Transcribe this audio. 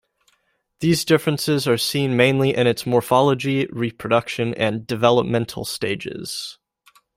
These differences are seen mainly in its morphology, reproduction, and developmental stages.